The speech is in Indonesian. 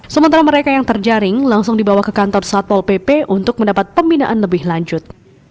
sementara mereka yang terjaring langsung dibawa ke kantor satpol pp untuk mendapat pembinaan lebih lanjut